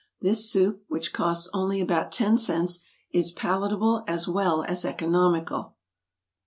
This soup, which costs only about ten cents, is palatable as well as economical.